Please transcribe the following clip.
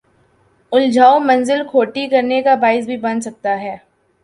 الجھاؤ منزل کھوٹی کرنے کا باعث بھی بن سکتا ہے۔